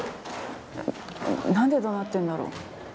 何でどなってるんだろ？